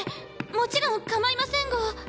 もちろんかまいませんが。